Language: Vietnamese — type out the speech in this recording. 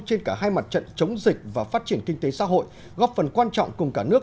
trên cả hai mặt trận chống dịch và phát triển kinh tế xã hội góp phần quan trọng cùng cả nước